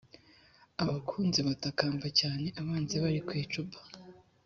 abakunzi batakamba cyane abanzi bari ku icupa